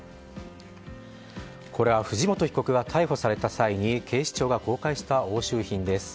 これは藤本被告が逮捕された際に警視庁が公開した押収品です。